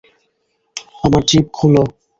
আমার জিপ খোলো!